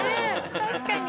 確かに。